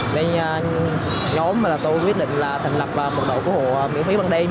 vậy nhóm tôi quyết định là thành lập một đội cứu hộ miễn phí bằng đêm